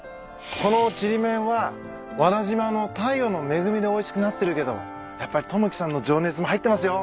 このちりめんは和田島の太陽の恵みでおいしくなってるけどやっぱり友樹さんの情熱も入ってますよ。